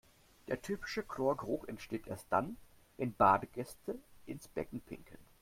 Der typische Chlorgeruch entsteht erst dann, wenn Badegäste ins Becken pinkeln.